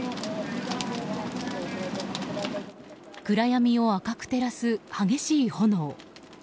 暗闇を赤く照らす激しい炎。